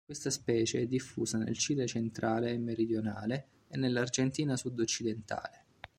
Questa specie è diffusa nel Cile centrale e meridionale e nell'Argentina sud-occidentale.